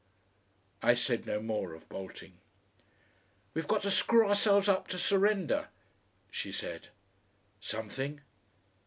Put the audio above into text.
I said no more of bolting. "We've got to screw ourselves up to surrender," she said. "Something."